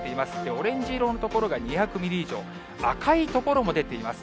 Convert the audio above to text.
オレンジ色の所が２００ミリ以上、赤い所も出ています。